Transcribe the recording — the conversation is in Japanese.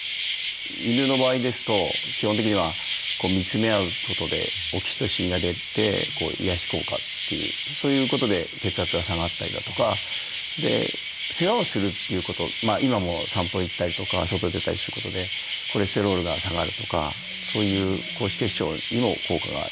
犬の場合ですと基本的には見つめ合うことでオキシトシンが出て癒やし効果というそういうことで血圧が下がったりだとか世話をするということ今も散歩行ったりとか外へ出たりすることでコレステロールが下がるとかそういう高脂血症にも効果がある。